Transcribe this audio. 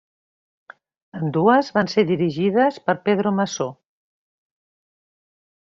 Ambdues van ser dirigides per Pedro Masó.